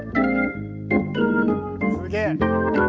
すげえ。